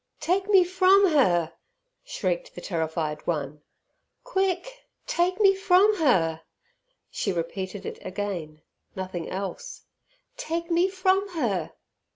"Take me from her," shrieked the terrified one. "Quick, take me from her," she repeated it again, nothing else. "Take me from her."